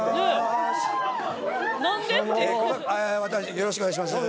よろしくお願いします。